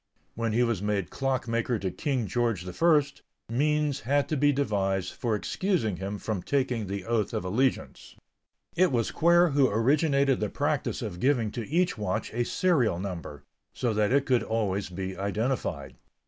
When he was made clock maker to King George I, means had to be devised for excusing him from taking the oath of allegiance. It was Quare who originated the practise of giving to each watch a serial number, so that it could always be identified.